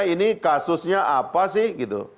ini kasusnya apa sih